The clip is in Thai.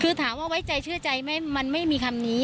คือถามว่าไว้ใจเชื่อใจไหมมันไม่มีคำนี้